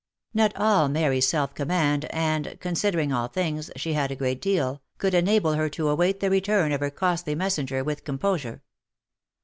Not all Mary's self command, and, considering all things, she had a great deal, could enable her to await the return of her costly messen ger with composure.